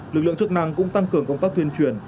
lực lượng chức năng cũng tăng cường công tác tuyên truyền